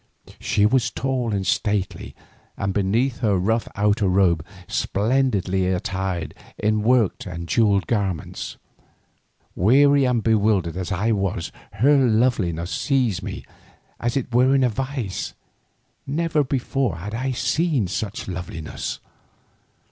She was tall and stately, and beneath her rough outer robe splendidly attired in worked and jewelled garments. Weary and bewildered as I was, her loveliness seized me as it were in a vice, never before had I seen such loveliness.